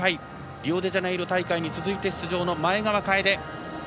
リオデジャネイロ大会に続いて出場の前川楓。